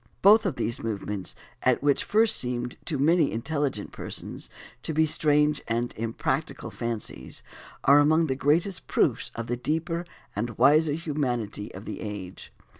Both of these movements, which at first seemed to so many intelligent persons to be strange and impracticable fancies, are among the greatest proofs of the deeper and wiser humanity of the age.